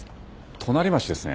隣町ですね。